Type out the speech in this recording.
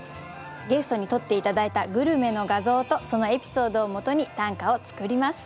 ゲストに撮って頂いたグルメの画像とそのエピソードをもとに短歌を作ります。